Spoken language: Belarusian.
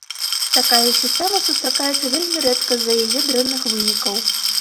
Такая сістэма сустракаецца вельмі рэдка з-за яе дрэнных вынікаў.